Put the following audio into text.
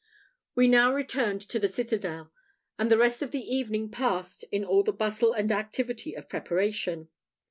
We now returned to the citadel; and the rest of the evening passed in all the bustle and activity of preparation.